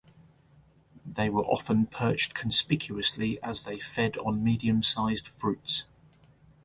They are often seen perched conspicuously as they feed on medium-sized fruits.